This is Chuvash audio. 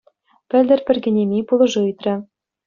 Пӗлтӗр пӗр кинеми пулӑшу ыйтрӗ.